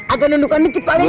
atau nundukan dikit pandanya